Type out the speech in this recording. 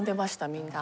みんな。